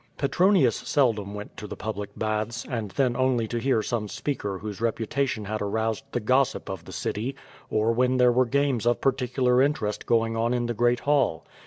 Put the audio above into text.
Petronius seldom went to the public baths, and then only to hear some speaker whose reputation had aroused the gos sip of the city, or when there were games of particular inter* est going on in the great hall.